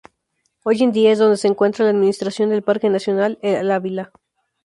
Hoy en día es dónde se encuentra la administración del Parque Nacional El Ávila.